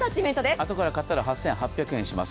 あとからかったら８８００円します。